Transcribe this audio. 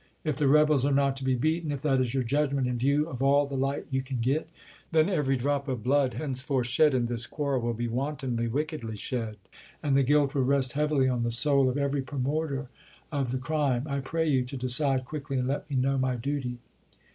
If the rebels are not to be beaten, — if that is your judgment in view of all the light you can get, — then every drop of blood henceforth shed in this quarrel will be wantonly, wick edly shed, and the guilt wiU rest heavily on the soul of 366 ABRAHAM LINCOLN Chap. XX. every promoter of the crime. I pray you to decide quickly and let me know my duty.